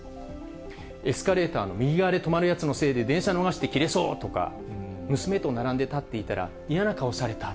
エスカレーターの右側で止まるやつのせいで電車逃してキレそうとか、娘と並んで立っていたら、嫌な顔された。